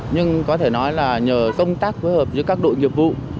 nhưng có thể nói là nhờ công tác phối hợp giữa các đội nghiệp vụ